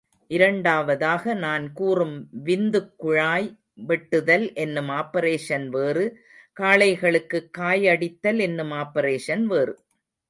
இரண்டாவதாக நான் கூறும் விந்துக்குழாய் வெட்டுதல் என்னும் ஆப்பரேஷன் வேறு, காளைகளுக்குக் காயடித்தல் என்னும் ஆப்பரேஷன் வேறு.